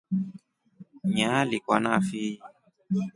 Nyaalikwa na fii.